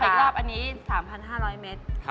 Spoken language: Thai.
อีกรอบอันนี้๓๕๐๐เมตร